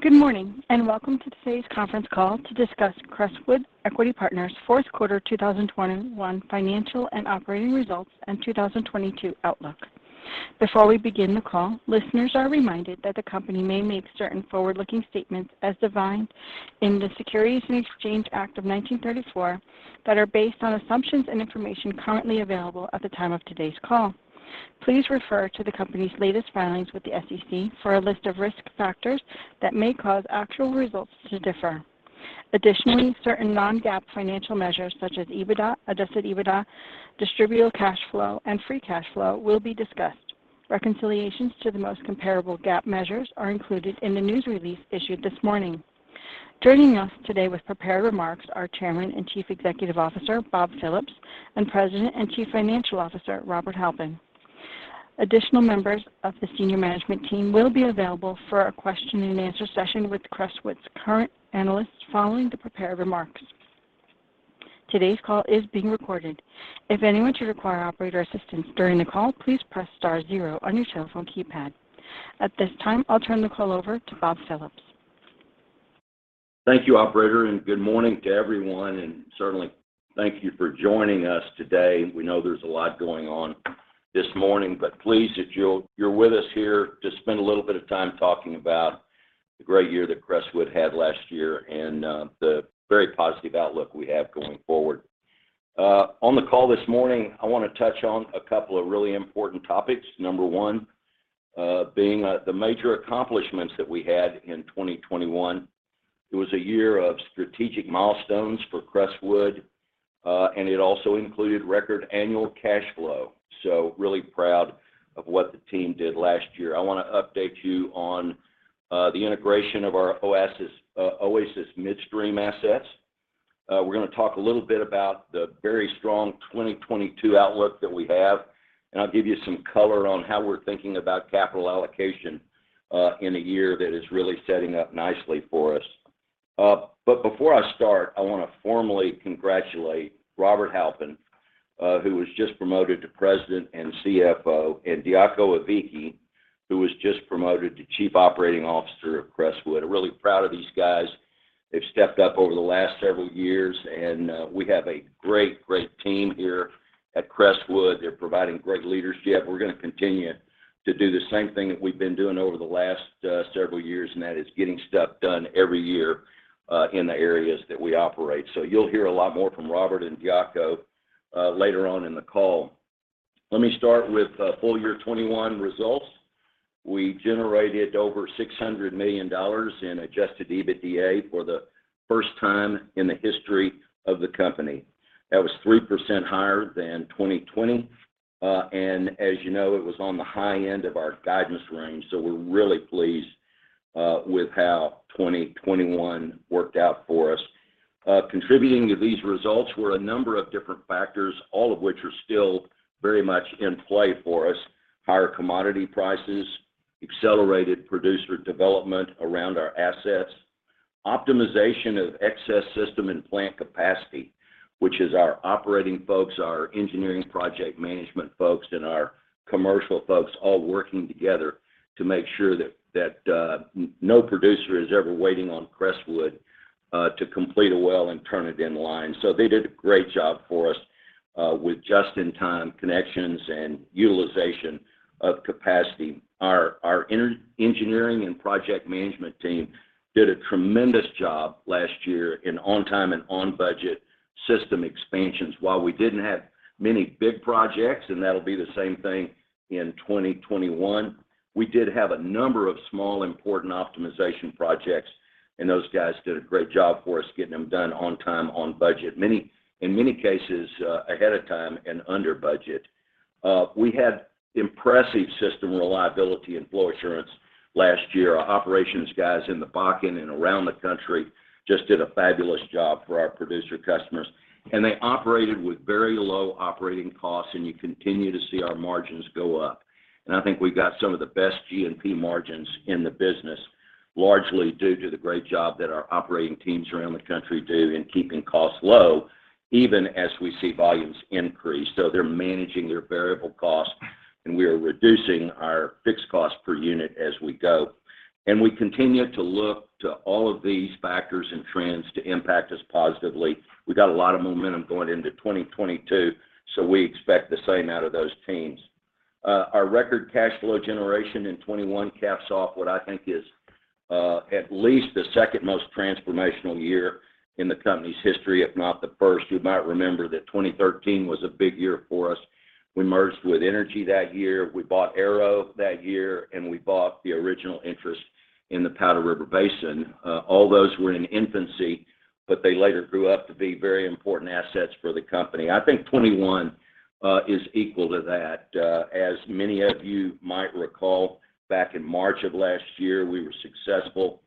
Good morning, and welcome to today's conference call to discuss Crestwood Equity Partners' fourth quarter 2021 financial and operating results and 2022 outlook. Before we begin the call, listeners are reminded that the company may make certain forward-looking statements as defined in the Securities Exchange Act of 1934 that are based on assumptions and information currently available at the time of today's call. Please refer to the company's latest filings with the SEC for a list of risk factors that may cause actual results to differ. Additionally, certain non-GAAP financial measures such as EBITDA, adjusted EBITDA, distributable cash flow, and free cash flow will be discussed. Reconciliations to the most comparable GAAP measures are included in the news release issued this morning. Joining us today with prepared remarks are Chairman and Chief Executive Officer, Bob Phillips, and President and Chief Financial Officer, Robert Halpin. Additional members of the senior management team will be available for a question and answer session with Crestwood's current analysts following the prepared remarks. Today's call is being recorded. If anyone should require operator assistance during the call, please press star zero on your telephone keypad. At this time, I'll turn the call over to Bob Phillips. Thank you, operator, and good morning to everyone, and certainly thank you for joining us today. We know there's a lot going on this morning, but pleased that you're with us here to spend a little bit of time talking about the great year that Crestwood had last year and, the very positive outlook we have going forward. On the call this morning, I wanna touch on a couple of really important topics. Number one, being, the major accomplishments that we had in 2021. It was a year of strategic milestones for Crestwood, and it also included record annual cash flow. Really proud of what the team did last year. I wanna update you on, the integration of our Oasis Midstream assets. We're gonna talk a little bit about the very strong 2022 outlook that we have, and I'll give you some color on how we're thinking about capital allocation, in a year that is really setting up nicely for us. Before I start, I wanna formally congratulate Robert Halpin, who was just promoted to President and CFO, and Diaco Aviki, who was just promoted to Chief Operating Officer of Crestwood. Really proud of these guys. They've stepped up over the last several years, and we have a great team here at Crestwood. They're providing great leadership. We're gonna continue to do the same thing that we've been doing over the last several years, and that is getting stuff done every year, in the areas that we operate. You'll hear a lot more from Robert and Diaco later on in the call. Let me start with full year 2021 results. We generated over $600 million in adjusted EBITDA for the first time in the history of the company. That was 3% higher than 2020. As you know, it was on the high end of our guidance range, so we're really pleased with how 2021 worked out for us. Contributing to these results were a number of different factors, all of which are still very much in play for us. Higher commodity prices, accelerated producer development around our assets, optimization of excess system and plant capacity, which is our operating folks, our engineering project management folks, and our commercial folks all working together to make sure that no producer is ever waiting on Crestwood to complete a well and turn it in line. They did a great job for us with just-in-time connections and utilization of capacity. Our engineering and project management team did a tremendous job last year in on-time and on-budget system expansions. While we didn't have many big projects, and that'll be the same thing in 2021, we did have a number of small, important optimization projects, and those guys did a great job for us getting them done on time, on budget. In many cases, ahead of time and under budget. We had impressive system reliability and flow assurance last year. Our operations guys in the Bakken and around the country just did a fabulous job for our producer customers. They operated with very low operating costs, and you continue to see our margins go up. I think we've got some of the best G&P margins in the business, largely due to the great job that our operating teams around the country do in keeping costs low, even as we see volumes increase. They're managing their variable costs, and we are reducing our fixed cost per unit as we go. We continue to look to all of these factors and trends to impact us positively. We got a lot of momentum going into 2022, so we expect the same out of those teams. Our record cash flow generation in 2021 caps off what I think is at least the second-most transformational year in the company's history, if not the first. You might remember that 2013 was a big year for us. We merged with Inergy that year, we bought Arrow that year, and we bought the original interest in the Powder River Basin. All those were in infancy, but they later grew up to be very important assets for the company. I think 2021 is equal to that. As many of you might recall, back in March of last year, we were successful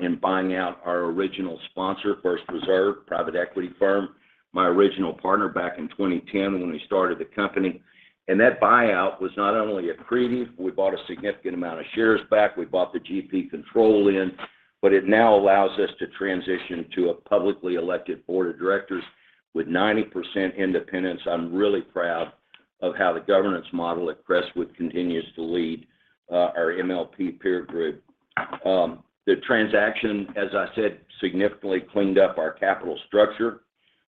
in buying out our original sponsor, First Reserve, private equity firm. My original partner back in 2010 when we started the company. That buyout was not only accretive, we bought a significant amount of shares back, we bought the GP control in. It now allows us to transition to a publicly elected board of directors with 90% independence. I'm really proud of how the governance model at Crestwood continues to lead our MLP peer group. The transaction, as I said, significantly cleaned up our capital structure,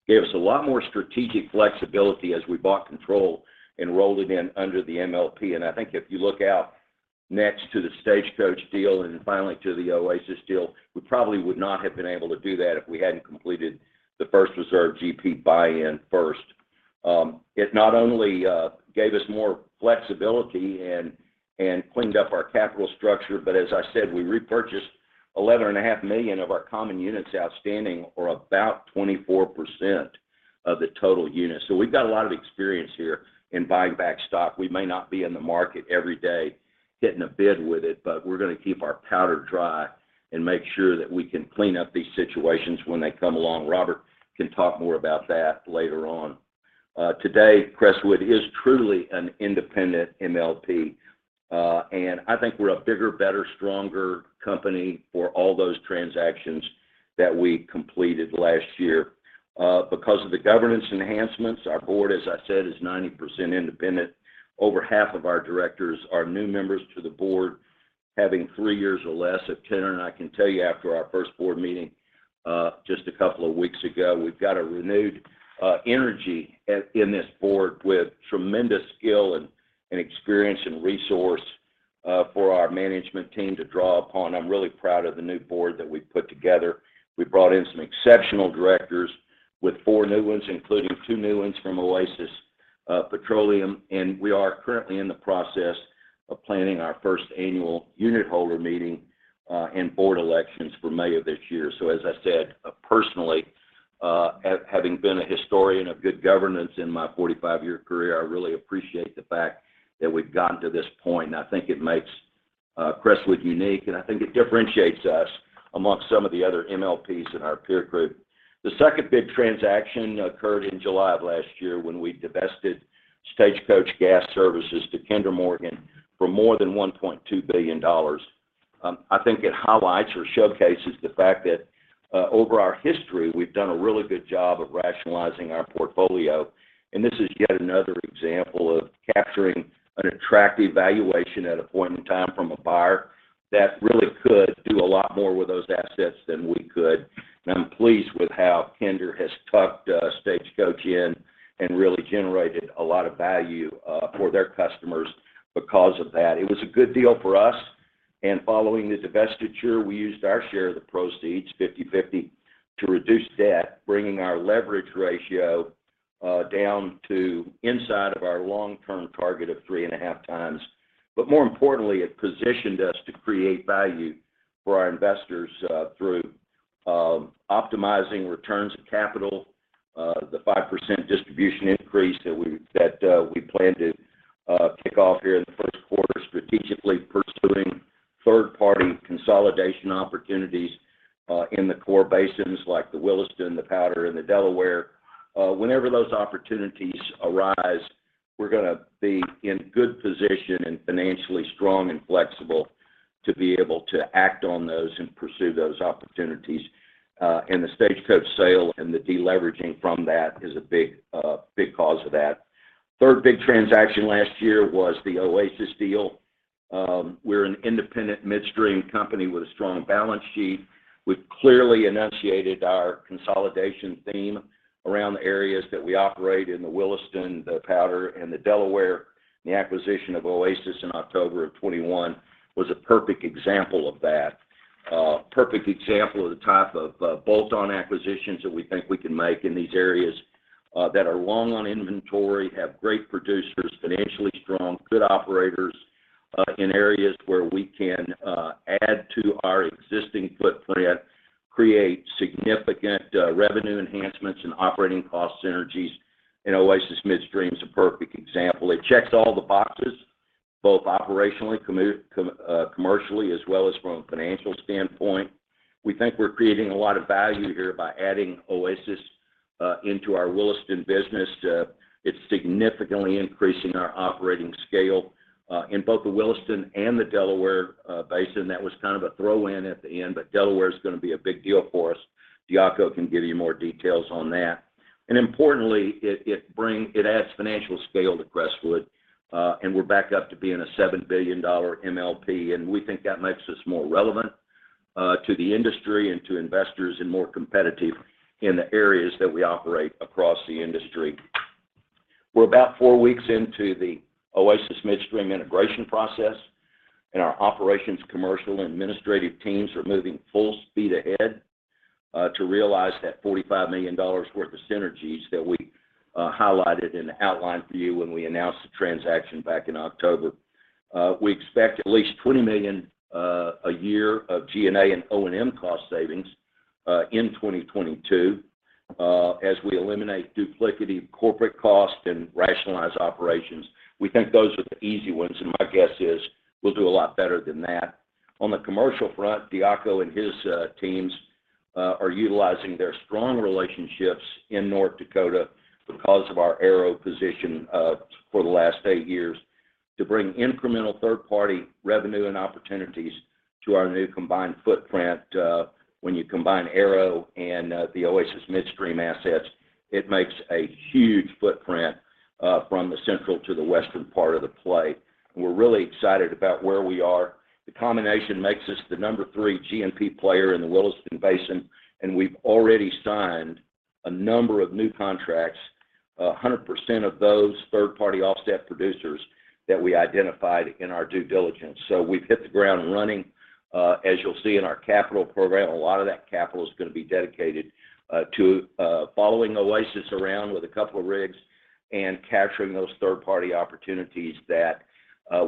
gave us a lot more strategic flexibility as we bought control and rolled it in under the MLP. I think if you look out next to the Stagecoach deal and finally to the Oasis deal, we probably would not have been able to do that if we hadn't completed the First Reserve GP buy-in first. It not only gave us more flexibility and cleaned up our capital structure, but as I said, we repurchased 11.5 million of our common units outstanding or about 24% of the total units. We've got a lot of experience here in buying back stock. We may not be in the market every day getting a bid with it, but we're going to keep our powder dry and make sure that we can clean up these situations when they come along. Robert can talk more about that later on. Today, Crestwood is truly an independent MLP. I think we're a bigger, better, stronger company for all those transactions that we completed last year. Because of the governance enhancements, our board, as I said, is 90% independent. Over half of our directors are new members to the board, having three years or less of tenure. I can tell you after our first board meeting just a couple of weeks ago, we've got a renewed energy in this board with tremendous skill and experience and resource for our management team to draw upon. I'm really proud of the new board that we put together. We brought in some exceptional directors with four new ones, including two new ones from Oasis Petroleum. We are currently in the process of planning our first annual unitholder meeting and board elections for May of this year. As I said, personally, having been a historian of good governance in my 45-year career, I really appreciate the fact that we've gotten to this point, and I think it makes Crestwood unique, and I think it differentiates us amongst some of the other MLPs in our peer group. The second big transaction occurred in July of last year when we divested Stagecoach Gas Services to Kinder Morgan for more than $1.2 billion. I think it highlights or showcases the fact that over our history, we've done a really good job of rationalizing our portfolio. This is yet another example of capturing an attractive valuation at a point in time from a buyer that really could do a lot more with those assets than we could. I'm pleased with how Kinder Morgan has tucked Stagecoach in and really generated a lot of value for their customers because of that. It was a good deal for us. Following the divestiture, we used our share of the proceeds, 50/50, to reduce debt, bringing our leverage ratio down to inside of our long-term target of 3.5x. More importantly, it positioned us to create value for our investors through optimizing returns of capital, the 5% distribution increase that we plan to kick off here in the first quarter, strategically pursuing third-party consolidation opportunities in the core basins like the Williston, the Powder, and the Delaware. Whenever those opportunities arise, we're gonna be in good position and financially strong and flexible to be able to act on those and pursue those opportunities. The Stagecoach sale and the deleveraging from that is a big cause of that. Third big transaction last year was the Oasis deal. We're an independent midstream company with a strong balance sheet. We've clearly enunciated our consolidation theme around the areas that we operate in the Williston, the Powder, and the Delaware. The acquisition of Oasis in October 2021 was a perfect example of that. Perfect example of the type of bolt-on acquisitions that we think we can make in these areas that are long on inventory, have great producers, financially strong, good operators in areas where we can add to our existing footprint, create significant revenue enhancements and operating cost synergies. Oasis Midstream is a perfect example. It checks all the boxes, both operationally, commercially, as well as from a financial standpoint. We think we're creating a lot of value here by adding Oasis into our Williston business. It's significantly increasing our operating scale in both the Williston and the Delaware Basin. That was kind of a throw-in at the end, but Delaware is gonna be a big deal for us. Diaco can give you more details on that. Importantly, it adds financial scale to Crestwood, and we're back up to being a $7 billion MLP, and we think that makes us more relevant to the industry and to investors and more competitive in the areas that we operate across the industry. We're about four weeks into the Oasis Midstream integration process, and our operations, commercial, and administrative teams are moving full speed ahead to realize that $45 million worth of synergies that we highlighted and outlined for you when we announced the transaction back in October. We expect at least $20 million a year of G&A and O&M cost savings in 2022 as we eliminate duplicative corporate costs and rationalize operations. We think those are the easy ones, and my guess is we'll do a lot better than that. On the commercial front, Diaco and his teams are utilizing their strong relationships in North Dakota because of our Arrow position for the last eight years to bring incremental third-party revenue and opportunities to our new combined footprint. When you combine Arrow and the Oasis Midstream assets, it makes a huge footprint from the central to the western part of the play. We're really excited about where we are. The combination makes us the number three G&P player in the Williston Basin, and we've already signed a number of new contracts, 100% of those third-party offset producers that we identified in our due diligence. We've hit the ground running. As you'll see in our capital program, a lot of that capital is going to be dedicated to following Oasis around with a couple of rigs and capturing those third-party opportunities that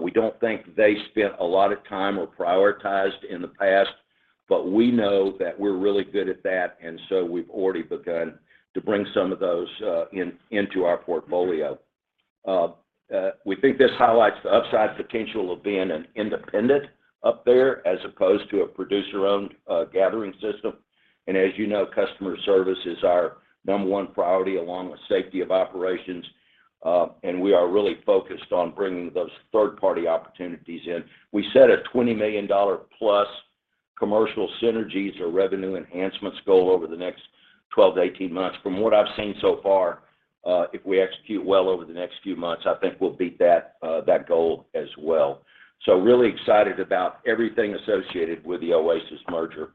we don't think they spent a lot of time or prioritized in the past. We know that we're really good at that, and so we've already begun to bring some of those into our portfolio. We think this highlights the upside potential of being an independent up there as opposed to a producer-owned gathering system. As you know, customer service is our number one priority along with safety of operations, and we are really focused on bringing those third-party opportunities in. We set a $20+ million commercial synergies or revenue enhancements goal over the next 12 to 18 months. From what I've seen so far, if we execute well over the next few months, I think we'll beat that goal as well. Really excited about everything associated with the Oasis merger.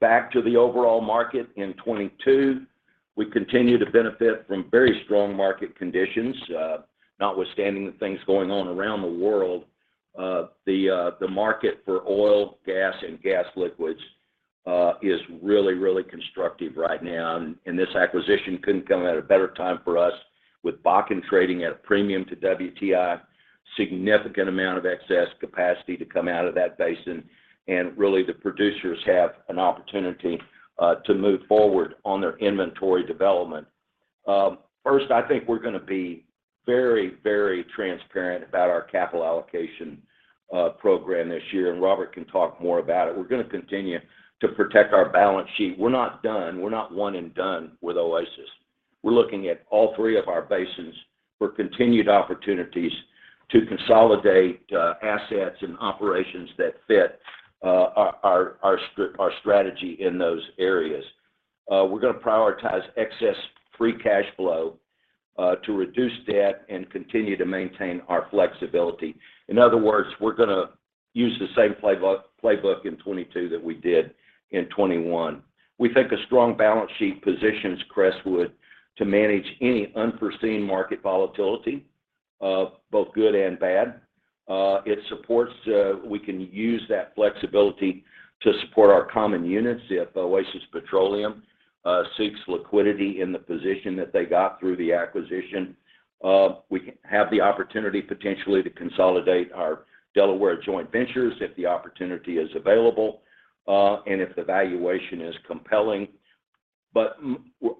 Back to the overall market in 2022. We continue to benefit from very strong market conditions, notwithstanding the things going on around the world. The market for oil, gas, and gas liquids is really, really constructive right now, and this acquisition couldn't come at a better time for us. With Bakken trading at a premium to WTI, significant amount of excess capacity to come out of that basin, and really the producers have an opportunity to move forward on their inventory development. First, I think we're going to be very, very transparent about our capital allocation program this year, and Robert can talk more about it. We're going to continue to protect our balance sheet. We're not done. We're not one and done with Oasis. We're looking at all three of our basins for continued opportunities to consolidate, assets and operations that fit, our strategy in those areas. We're going to prioritize excess free cash flow, to reduce debt and continue to maintain our flexibility. In other words, we're gonna use the same playbook in 2022 that we did in 2021. We think a strong balance sheet positions Crestwood to manage any unforeseen market volatility, both good and bad. It supports. We can use that flexibility to support our common units if Oasis Petroleum seeks liquidity in the position that they got through the acquisition. We can have the opportunity potentially to consolidate our Delaware joint ventures if the opportunity is available, and if the valuation is compelling.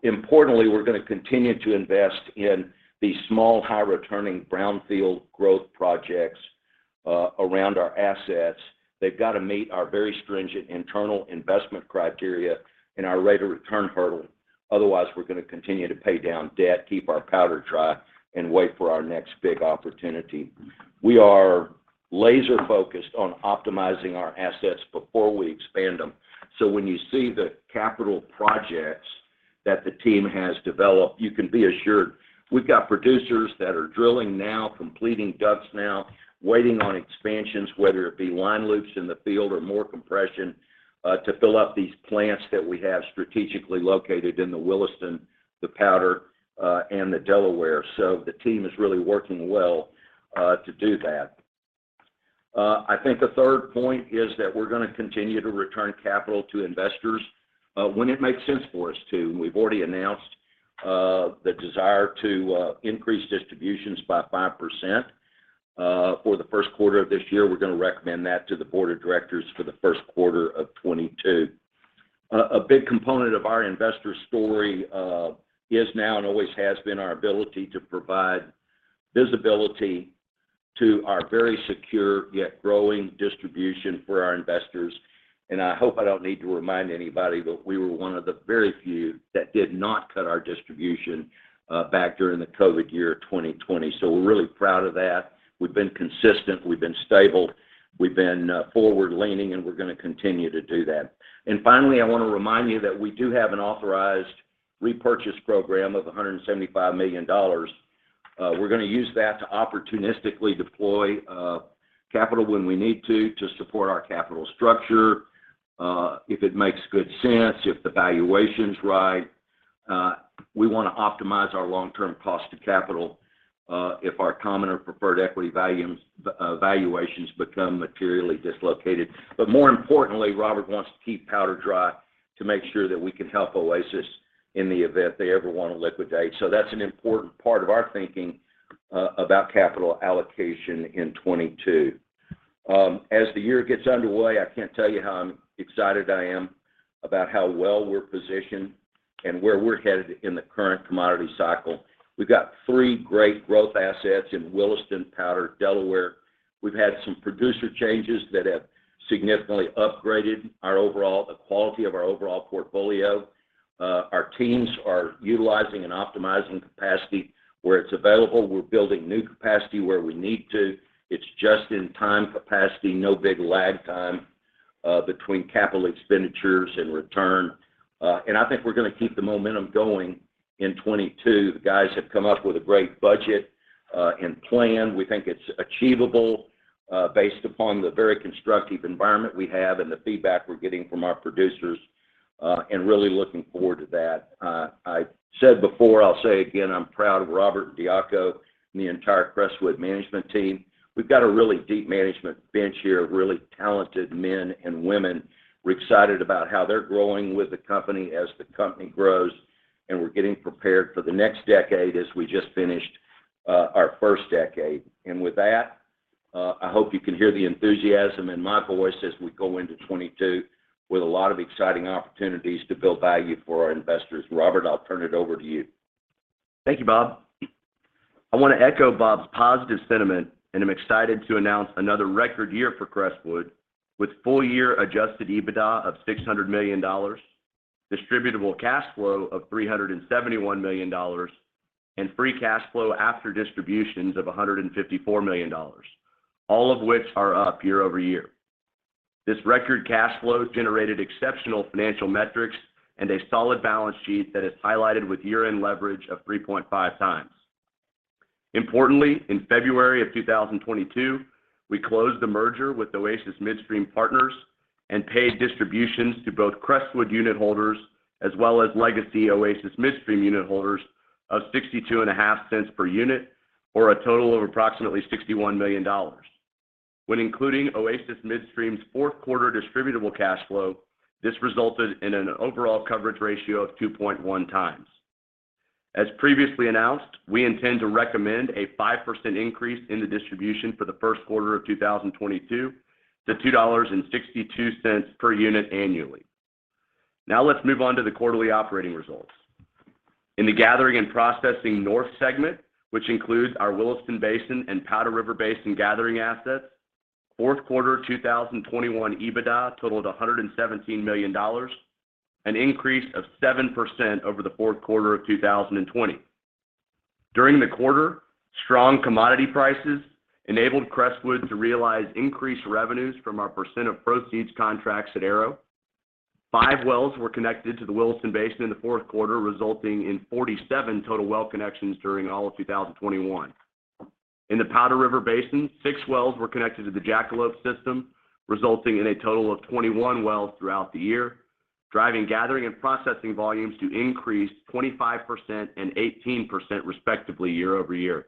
Importantly, we're going to continue to invest in these small, high-returning brownfield growth projects around our assets. They've got to meet our very stringent internal investment criteria and our rate of return hurdle. Otherwise, we're going to continue to pay down debt, keep our powder dry, and wait for our next big opportunity. We are laser-focused on optimizing our assets before we expand them. When you see the capital projects that the team has developed, you can be assured we've got producers that are drilling now, completing DUCs now, waiting on expansions, whether it be line loops in the field or more compression to fill up these plants that we have strategically located in the Williston, the Powder, and the Delaware. The team is really working well to do that. I think the third point is that we're gonna continue to return capital to investors when it makes sense for us to. We've already announced the desire to increase distributions by 5% for the first quarter of this year. We're going to recommend that to the board of directors for the first quarter of 2022. A big component of our investor story is now and always has been our ability to provide visibility to our very secure yet growing distribution for our investors. I hope I don't need to remind anybody, but we were one of the very few that did not cut our distribution back during the COVID year 2020. We're really proud of that. We've been consistent, we've been stable, we've been forward-leaning, and we're going to continue to do that. Finally, I want to remind you that we do have an authorized repurchase program of $175 million. We're going to use that to opportunistically deploy capital when we need to support our capital structure, if it makes good sense, if the valuation's right. We want to optimize our long-term cost of capital, if our common or preferred equity valuations become materially dislocated. More importantly, Robert wants to keep powder dry to make sure that we can help Oasis in the event they ever want to liquidate. That's an important part of our thinking about capital allocation in 2022. As the year gets underway, I can't tell you how excited I am about how well we're positioned and where we're headed in the current commodity cycle. We've got three great growth assets in Williston, Powder, Delaware. We've had some producer changes that have significantly upgraded the quality of our overall portfolio. Our teams are utilizing and optimizing capacity where it's available. We're building new capacity where we need to. It's just-in-time capacity, no big lag time between capital expenditures and return. I think we're gonna keep the momentum going in 2022. The guys have come up with a great budget and plan. We think it's achievable based upon the very constructive environment we have and the feedback we're getting from our producers and really looking forward to that. I said before, I'll say again, I'm proud of Robert, Diaco and the entire Crestwood management team. We've got a really deep management bench here of really talented men and women. We're excited about how they're growing with the company as the company grows, and we're getting prepared for the next decade as we just finished our first decade. With that, I hope you can hear the enthusiasm in my voice as we go into 2022 with a lot of exciting opportunities to build value for our investors. Robert, I'll turn it over to you. Thank you, Bob. I want to echo Bob's positive sentiment, and I'm excited to announce another record year for Crestwood with full-year adjusted EBITDA of $600 million, distributable cash flow of $371 million, and free cash flow after distributions of $154 million, all of which are up year-over-year. This record cash flow has generated exceptional financial metrics and a solid balance sheet that is highlighted with year-end leverage of 3.5x. Importantly, in February of 2022, we closed the merger with Oasis Midstream Partners and paid distributions to both Crestwood unit holders as well as legacy Oasis Midstream unit holders of $0.625 per unit or a total of approximately $61 million. When including Oasis Midstream's fourth quarter distributable cash flow, this resulted in an overall coverage ratio of 2.1x. As previously announced, we intend to recommend a 5% increase in the distribution for the first quarter of 2022 to $2.62 per unit annually. Now let's move on to the quarterly operating results. In the Gathering & Processing North segment, which includes our Williston Basin and Powder River Basin gathering assets, fourth quarter 2021 EBITDA totaled $117 million, an increase of 7% over the fourth quarter of 2020. During the quarter, strong commodity prices enabled Crestwood to realize increased revenues from our percent of proceeds contracts at Arrow. Five wells were connected to the Williston Basin in the fourth quarter, resulting in 47 total well connections during all of 2021. In the Powder River Basin, six wells were connected to the Jackalope system, resulting in a total of 21 wells throughout the year, driving gathering and processing volumes to increase 25% and 18% respectively year-over-year.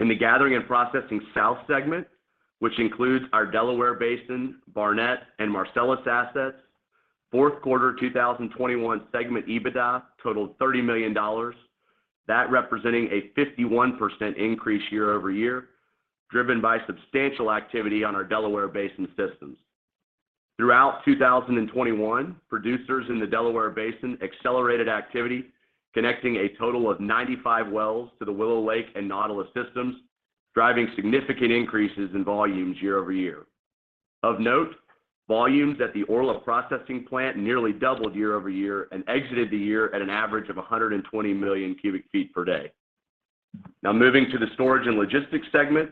In the Gathering & Processing South segment, which includes our Delaware Basin, Barnett, and Marcellus assets, fourth quarter 2021 segment EBITDA totaled $30 million, representing a 51% increase year-over-year, driven by substantial activity on our Delaware Basin systems. Throughout 2021, producers in the Delaware Basin accelerated activity, connecting a total of 95 wells to the Willow Lake and Nautilus systems, driving significant increases in volumes year-over-year. Of note, volumes at the Orla processing plant nearly doubled year-over-year and exited the year at an average of 120 million cubic feet per day. Now, moving to the storage and logistics segment,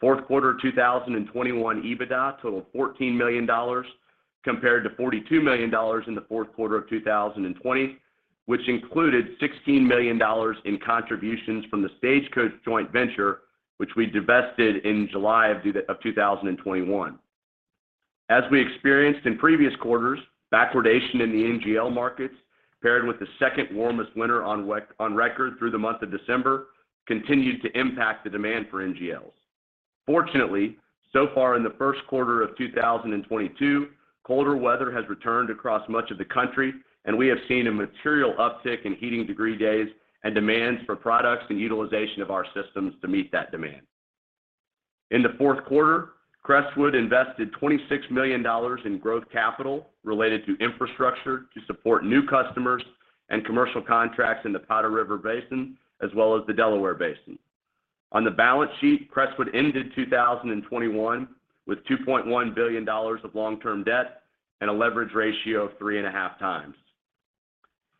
fourth quarter 2021 EBITDA totaled $14 million compared to $42 million in the fourth quarter of 2020, which included $16 million in contributions from the Stagecoach Joint Venture, which we divested in July of 2021. As we experienced in previous quarters, backwardation in the NGL markets, paired with the second warmest winter on record through the month of December, continued to impact the demand for NGLs. Fortunately, so far in the first quarter of 2022, colder weather has returned across much of the country, and we have seen a material uptick in heating degree days and demands for products and utilization of our systems to meet that demand. In the fourth quarter, Crestwood invested $26 million in growth capital related to infrastructure to support new customers and commercial contracts in the Powder River Basin, as well as the Delaware Basin. On the balance sheet, Crestwood ended 2021 with $2.1 billion of long-term debt and a leverage ratio of 3.5x.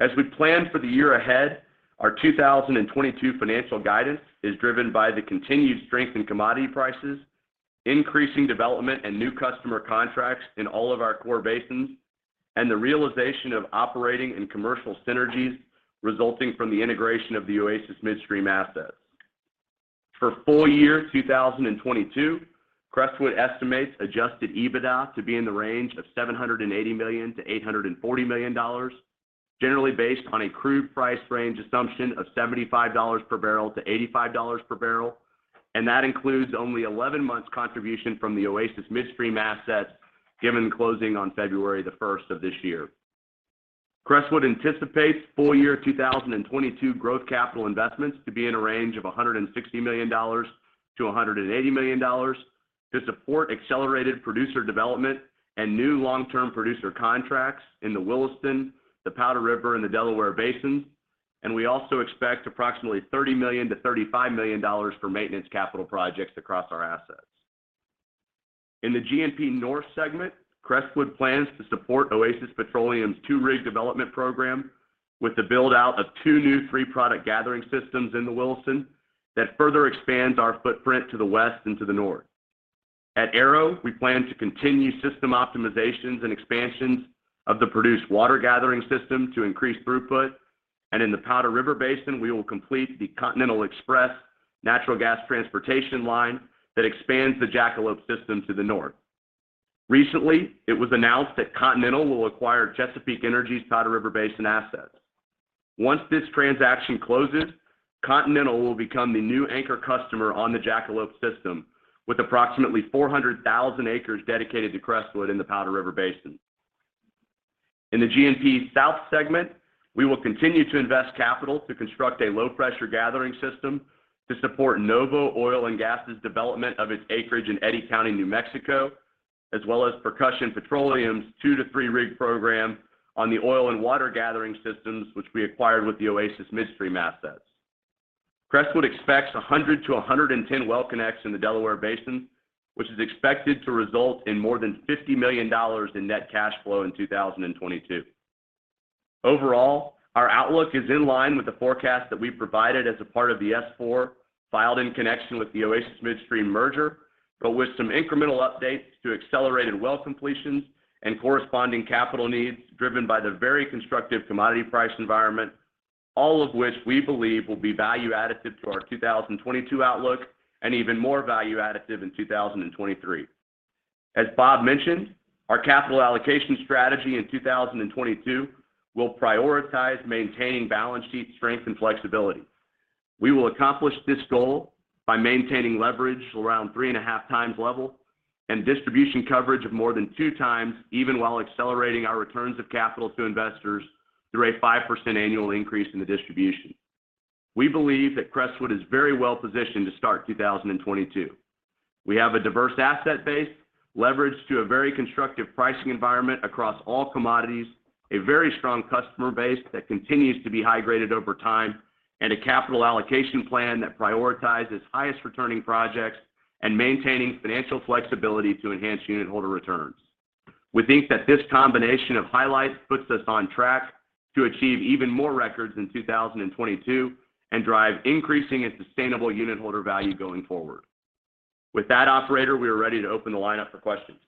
As we plan for the year ahead, our 2022 financial guidance is driven by the continued strength in commodity prices, increasing development and new customer contracts in all of our core basins, and the realization of operating and commercial synergies resulting from the integration of the Oasis Midstream assets. For full year 2022, Crestwood estimates adjusted EBITDA to be in the range of $780 million-$840 million, generally based on a crude price range assumption of $75 per barrel to $85 per barrel. That includes only 11 months contribution from the Oasis Midstream assets given closing on February 1st of this year. Crestwood anticipates full year 2022 growth capital investments to be in a range of $160 million-$180 million. To support accelerated producer development and new long-term producer contracts in the Williston, the Powder River, and the Delaware Basin, we also expect approximately $30 million-$35 million for maintenance capital projects across our assets. In the G&P North segment, Crestwood plans to support Oasis Petroleum's two-rig development program with the build-out of two new three-product gathering systems in the Williston that further expands our footprint to the west and to the north. At Arrow, we plan to continue system optimizations and expansions of the produced water gathering system to increase throughput. In the Powder River Basin, we will complete the Continental Express natural gas transportation line that expands the Jackalope system to the north. Recently, it was announced that Continental Resources will acquire Chesapeake Energy's Powder River Basin assets. Once this transaction closes, Continental Resources will become the new anchor customer on the Jackalope system with approximately 400,000 acres dedicated to Crestwood in the Powder River Basin. In the G&P South segment, we will continue to invest capital to construct a low-pressure gathering system to support Novo Oil and Gas's development of its acreage in Eddy County, New Mexico, as well as Percussion Petroleum's 2- to 3-rig program on the oil and water gathering systems which we acquired with the Oasis Midstream assets. Crestwood expects 100-110 well connects in the Delaware Basin, which is expected to result in more than $50 million in net cash flow in 2022. Overall, our outlook is in line with the forecast that we provided as a part of the S-4 filed in connection with the Oasis Midstream merger, but with some incremental updates to accelerated well completions and corresponding capital needs driven by the very constructive commodity price environment, all of which we believe will be value additive to our 2022 outlook and even more value additive in 2023. As Bob mentioned, our capital allocation strategy in 2022 will prioritize maintaining balance sheet strength and flexibility. We will accomplish this goal by maintaining leverage around 3.5x level and distribution coverage of more than 2x even while accelerating our returns of capital to investors through a 5% annual increase in the distribution. We believe that Crestwood is very well positioned to start 2022. We have a diverse asset base leveraged to a very constructive pricing environment across all commodities, a very strong customer base that continues to be high graded over time, and a capital allocation plan that prioritizes highest returning projects and maintaining financial flexibility to enhance unitholder returns. We think that this combination of highlights puts us on track to achieve even more records in 2022 and drive increasing and sustainable unitholder value going forward. With that, operator, we are ready to open the line up for questions.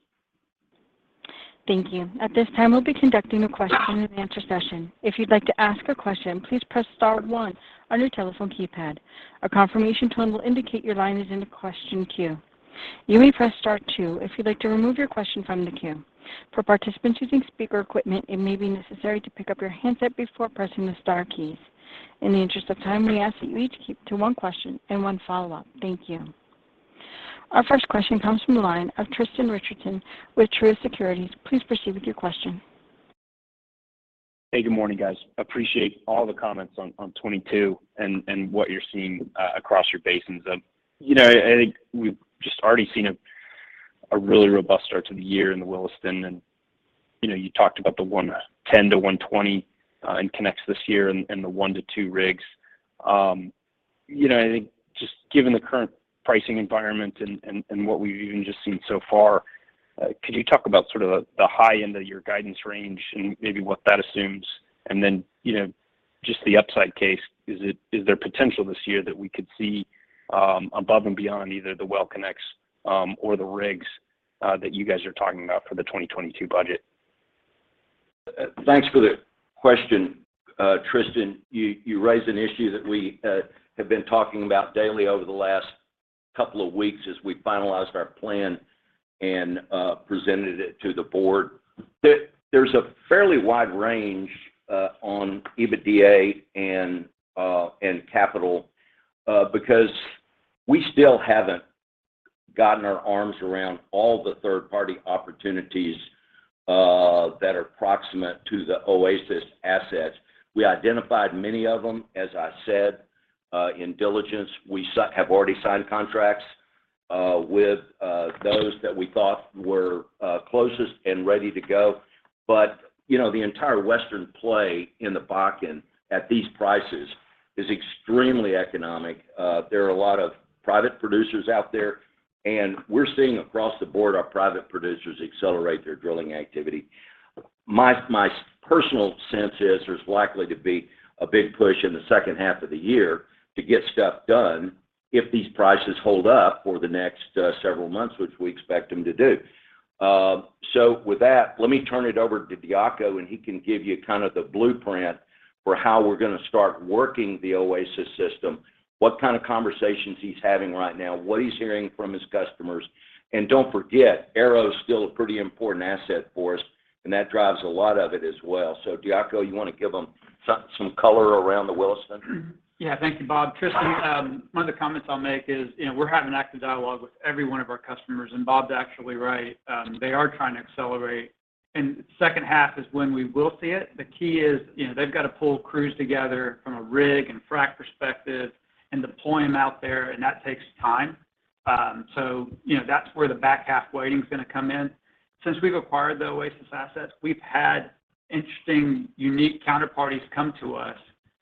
Thank you. At this time, we'll be conducting a question and answer session. If you'd like to ask a question, please press star one on your telephone keypad. A confirmation tone will indicate your line is in the question queue. You may press star two if you'd like to remove your question from the queue. For participants using speaker equipment, it may be necessary to pick up your handset before pressing the star keys. In the interest of time, we ask that you each keep to one question and one follow-up. Thank you. Our first question comes from the line of Tristan Richardson with Truist Securities. Please proceed with your question. Hey, good morning, guys. Appreciate all the comments on 2022 and what you're seeing across your basins. You know, I think we've just already seen a really robust start to the year in the Williston, and you know, you talked about the 110-120 in connects this year and the one to two rigs. You know, I think just given the current pricing environment and what we've even just seen so far, could you talk about sort of the high end of your guidance range and maybe what that assumes? You know, just the upside case. Is there potential this year that we could see above and beyond either the well connects or the rigs that you guys are talking about for the 2022 budget? Thanks for the question, Tristan. You raise an issue that we have been talking about daily over the last couple of weeks as we finalized our plan and presented it to the board. There's a fairly wide range on EBITDA and capital because we still haven't gotten our arms around all the third-party opportunities that are proximate to the Oasis assets. We identified many of them, as I said, in diligence. We have already signed contracts with those that we thought were closest and ready to go. You know, the entire western play in the Bakken at these prices is extremely economic. There are a lot of private producers out there, and we're seeing across the board our private producers accelerate their drilling activity. My personal sense is there's likely to be a big push in the second half of the year to get stuff done if these prices hold up for the next several months, which we expect them to do. With that, let me turn it over to Diaco, and he can give you kind of the blueprint for how we're gonna start working the Oasis system, what kind of conversations he's having right now, what he's hearing from his customers. Don't forget, Arrow is still a pretty important asset for us, and that drives a lot of it as well. Diaco, you want to give them some color around the Williston? Yeah. Thank you, Bob. Tristan, one of the comments I'll make is, you know, we're having an active dialogue with every one of our customers, and Bob's actually right. They are trying to accelerate. Second half is when we will see it. The key is, you know, they've got to pull crews together from a rig and frack perspective and deploy them out there, and that takes time. So you know, that's where the back half weighting is going to come in. Since we've acquired the Oasis asset, we've had interesting, unique counterparties come to us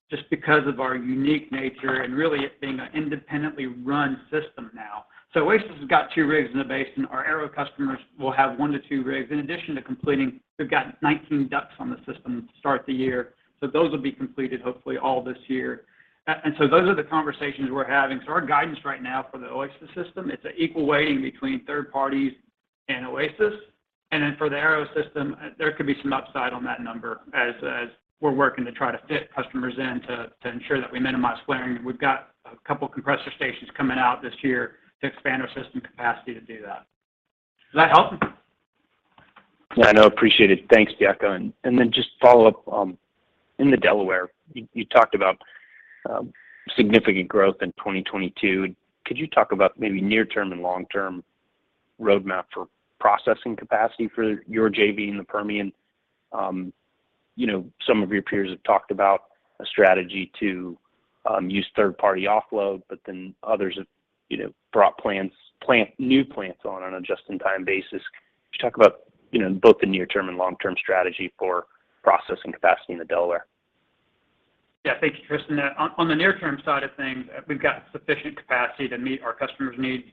just because of our unique nature and really it being an independently run system now. So Oasis has got two rigs in the basin. Our Arrow customers will have one to two rigs. In addition to completing, we've got 19 DUCs on the system to start the year, so those will be completed hopefully all this year. Those are the conversations we're having. Our guidance right now for the Oasis system, it's an equal weighting between third parties and Oasis. For the Arrow system, there could be some upside on that number as we're working to try to fit customers in to ensure that we minimize flaring. We've got a couple compressor stations coming out this year to expand our system capacity to do that. Does that help? Yeah, no, appreciate it. Thanks, Diaco. Just follow up in the Delaware, you talked about significant growth in 2022. Could you talk about maybe near-term and long-term roadmap for processing capacity for your JV in the Permian? You know, some of your peers have talked about a strategy to use third-party offload, but then others have, you know, brought on new plants on a just-in-time basis. Could you talk about, you know, both the near-term and long-term strategy for processing capacity in the Delaware? Yeah. Thank you, Tristan. On the near-term side of things, we've got sufficient capacity to meet our customers' needs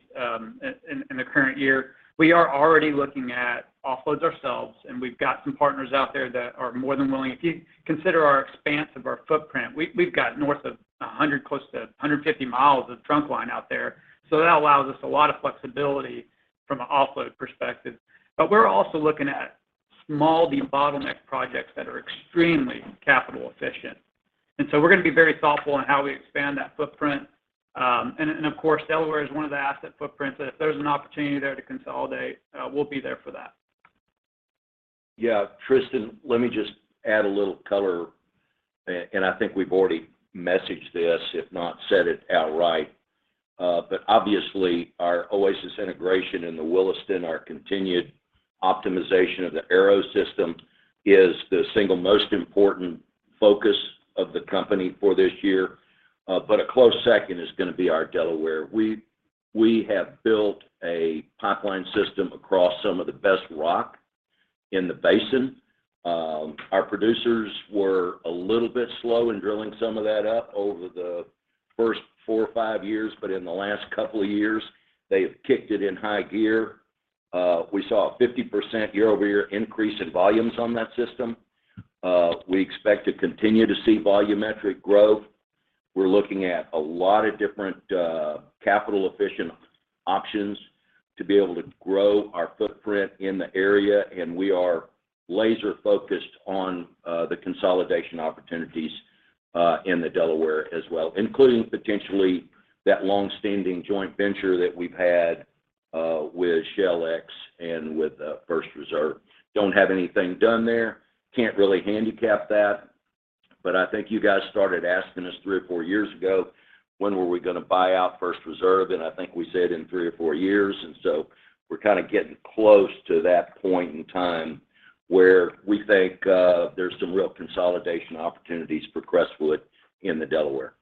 in the current year. We are already looking at offloads ourselves, and we've got some partners out there that are more than willing. If you consider our expanse of our footprint, we've got north of 100, close to 150 mi of trunk line out there. So that allows us a lot of flexibility from an offload perspective. We're also looking at small de-bottleneck projects that are extremely capital efficient. We're going to be very thoughtful in how we expand that footprint. Of course, Delaware is one of the asset footprints that if there's an opportunity there to consolidate, we'll be there for that. Yeah. Tristan, let me just add a little color, and I think we've already messaged this, if not said it outright. Obviously our Oasis integration in the Williston, our continued optimization of the Arrow system is the single most important focus of the company for this year. A close second is going to be our Delaware. We have built a pipeline system across some of the best rock in the basin. Our producers were a little bit slow in drilling some of that up over the first four or five years, but in the last couple of years, they have kicked it in high gear. We saw a 50% year-over-year increase in volumes on that system. We expect to continue to see volumetric growth. We're looking at a lot of different capital efficient options to be able to grow our footprint in the area, and we are laser-focused on the consolidation opportunities in the Delaware as well, including potentially that long-standing joint venture that we've had with Shell and with First Reserve. Don't have anything done there. Can't really handicap that. I think you guys started asking us three or four years ago, when were we going to buy out First Reserve? I think we said in three or four years. We're kind of getting close to that point in time where we think there's some real consolidation opportunities for Crestwood in the Delaware.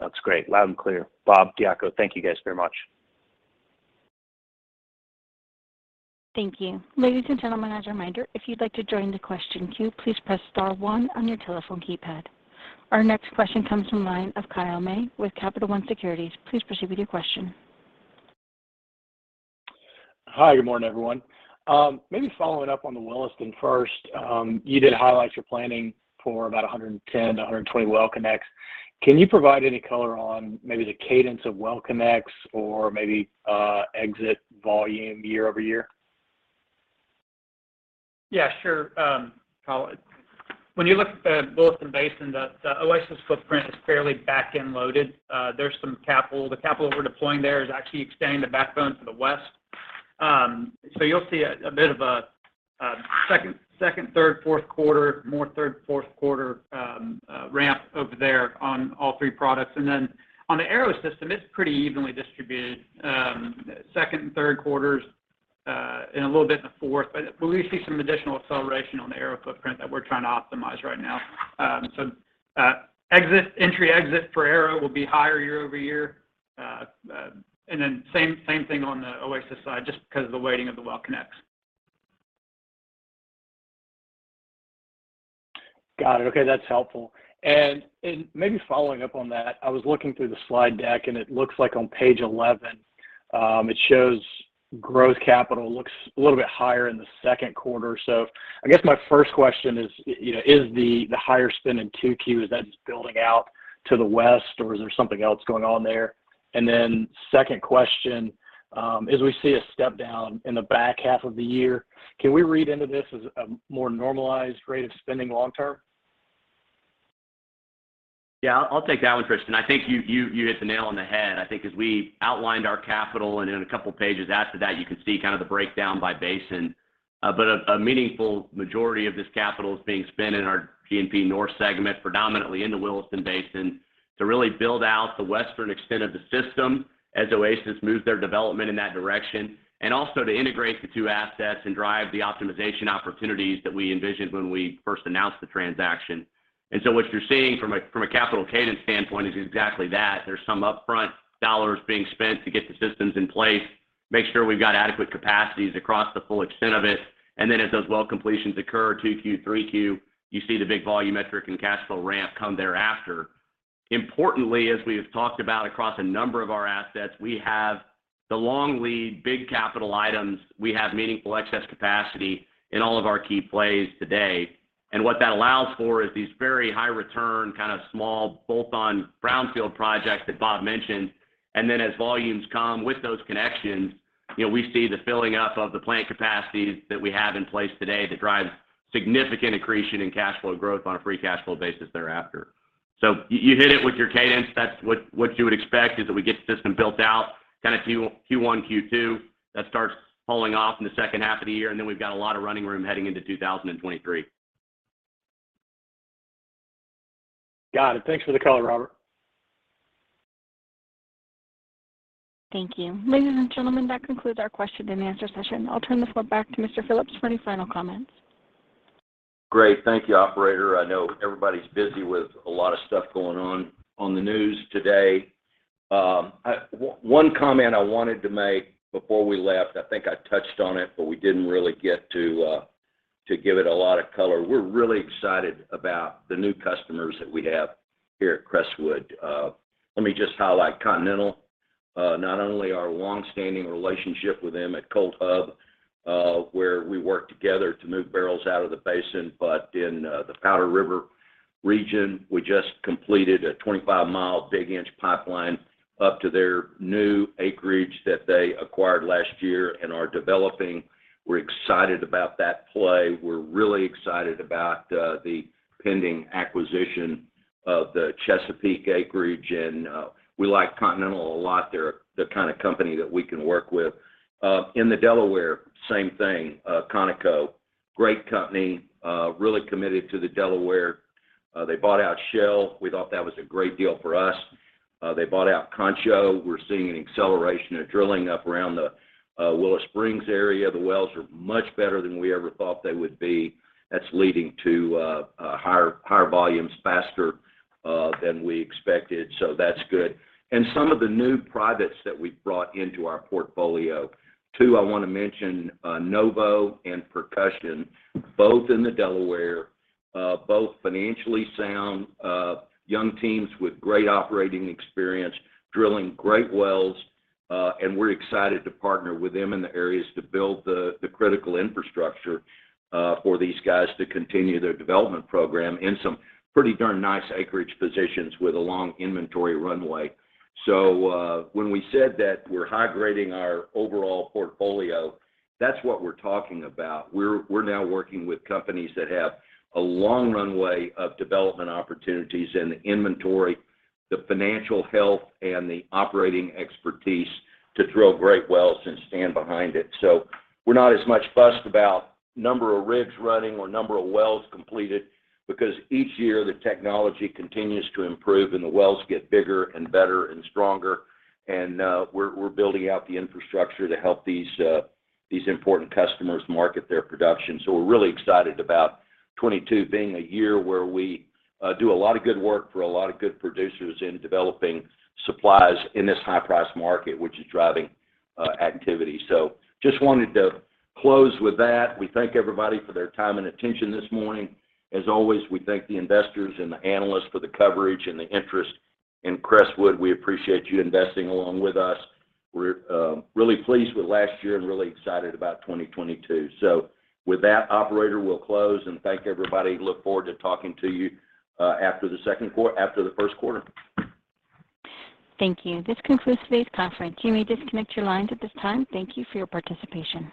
That's great. Loud and clear. Bob, Diaco, thank you guys very much. Thank you. Ladies and gentlemen, as a reminder, if you'd like to join the question queue, please press star one on your telephone keypad. Our next question comes from the line of Kyle May with Capital One Securities. Please proceed with your question. Hi. Good morning, everyone. Maybe following up on the Williston first, you did highlight your planning for about 110-120 well connects. Can you provide any color on maybe the cadence of well connects or maybe, exit volume year-over-year? Yeah, sure, Kyle. When you look at Williston Basin, the Oasis footprint is fairly back-end loaded. There's some capital. The capital we're deploying there is actually extending the backbone to the west. You'll see a bit of a second, third, fourth quarter, more third, fourth quarter ramp over there on all three products. Then on the Arrow system, it's pretty evenly distributed, second and third quarters, and a little bit in the fourth. We see some additional acceleration on the Arrow footprint that we're trying to optimize right now. Exit for Arrow will be higher year-over-year. Then same thing on the Oasis side, just because of the weighting of the well connects. Got it. Okay, that's helpful. Maybe following up on that, I was looking through the slide deck, and it looks like on page 11, it shows growth capital looks a little bit higher in the second quarter. I guess my first question is, you know, is the higher spend in 2Qs, is that just building out to the west, or is there something else going on there? Then second question, as we see a step down in the back half of the year, can we read into this as a more normalized rate of spending long term? Yeah. I'll take that one, Tristan. I think you hit the nail on the head. I think as we outlined our capital, and in a couple pages after that, you can see kind of the breakdown by basin. A meaningful majority of this capital is being spent in our G&P North segment, predominantly in the Williston Basin, to really build out the western extent of the system as Oasis moves their development in that direction, and also to integrate the two assets and drive the optimization opportunities that we envisioned when we first announced the transaction. What you're seeing from a capital cadence standpoint is exactly that. There's some upfront dollars being spent to get the systems in place, make sure we've got adequate capacities across the full extent of it. As those well completions occur, 2Q, 3Q, you see the big volumetric and cash flow ramp come thereafter. Importantly, as we have talked about across a number of our assets, we have the long lead, big capital items. We have meaningful excess capacity in all of our key plays today. What that allows for is these very high return, kind of small bolt-on brownfield projects that Bob mentioned. Then as volumes come with those connections, you know, we see the filling up of the plant capacities that we have in place today that drive significant accretion in cash flow growth on a free cash flow basis thereafter. You hit it with your cadence. That's what you would expect, is that we get the system built out kind of Q1, Q2. That starts pulling off in the second half of the year, and then we've got a lot of running room heading into 2023. Got it. Thanks for the color, Robert. Thank you. Ladies and gentlemen, that concludes our question and answer session. I'll turn the floor back to Mr. Phillips for any final comments. Great. Thank you, operator. I know everybody's busy with a lot of stuff going on the news today. One comment I wanted to make before we left. I think I touched on it, but we didn't really get to give it a lot of color. We're really excited about the new customers that we have here at Crestwood. Let me just highlight Continental. Not only our long-standing relationship with them at COLT Hub, where we work together to move barrels out of the basin, but in the Powder River region, we just completed a 25-mile big-inch pipeline up to their new acreage that they acquired last year and are developing. We're excited about that play. We're really excited about the pending acquisition of the Chesapeake acreage. We like Continental a lot. They're the kind of company that we can work with. In the Delaware, same thing, Conoco. Great company, really committed to the Delaware. They bought out Shell. We thought that was a great deal for us. They bought out Concho. We're seeing an acceleration of drilling up around the Willow Springs area. The wells are much better than we ever thought they would be. That's leading to higher volumes faster than we expected, so that's good. Some of the new privates that we've brought into our portfolio. Two, I want to mention, Novo and Percussion, both in the Delaware, both financially sound, young teams with great operating experience, drilling great wells, and we're excited to partner with them in the areas to build the critical infrastructure for these guys to continue their development program in some pretty darn nice acreage positions with a long inventory runway. When we said that we're high-grading our overall portfolio, that's what we're talking about. We're now working with companies that have a long runway of development opportunities and the inventory, the financial health, and the operating expertise to drill great wells and stand behind it. We're not as much fussed about number of rigs running or number of wells completed because each year the technology continues to improve, and the wells get bigger and better and stronger. We're building out the infrastructure to help these important customers market their production. We're really excited about 2022 being a year where we do a lot of good work for a lot of good producers in developing supplies in this high price market, which is driving activity. Just wanted to close with that. We thank everybody for their time and attention this morning. As always, we thank the investors and the analysts for the coverage and the interest in Crestwood. We appreciate you investing along with us. We're really pleased with last year and really excited about 2022. With that, operator, we'll close. Thank everybody. Look forward to talking to you after the first quarter. Thank you. This concludes today's conference. You may disconnect your lines at this time. Thank you for your participation.